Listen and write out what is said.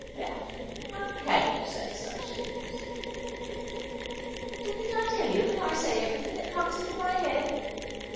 ' Daphne, how can you say such things ?'' Didn't I tell you that I say everything that comes into my head